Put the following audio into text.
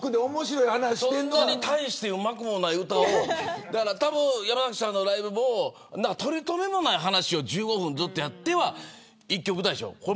そんなに大してうまくもない歌をたぶん山崎さんのライブもとりとめもない話を１５分やっては、１曲でしょ。